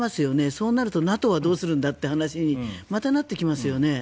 そうなるとＮＡＴＯはどうするんだって話にまたなってきますよね。